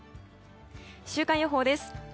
週間予報です。